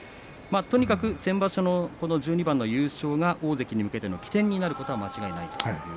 先場所のこの１２番の優勝が大関に向けての起点になることは間違いありません。